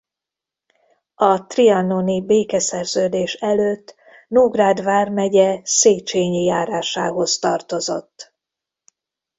A trianoni békeszerződés előtt Nógrád vármegye Szécsényi járásához tartozott.